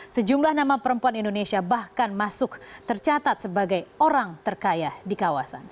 sejumlah nama perempuan indonesia bahkan masuk tercatat sebagai orang terkaya di kawasan